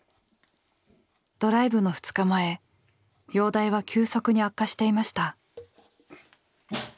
ドライブの２日前容体は急速に悪化していました。